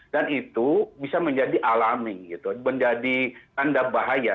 dan itu bisa menjadi alami menjadi tanda bahaya